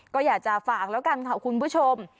ก็อยากจะฝากแล้วกันค่ะคุณผู้ชม